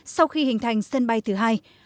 sau khi hình thành sân bay thứ hai